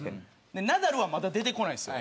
ナダルはまだ出てこないんですよ。